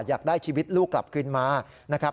อยากได้ชีวิตลูกกลับคืนมานะครับ